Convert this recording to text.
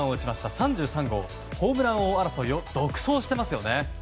３３号、ホームラン王争いを独走していますよね。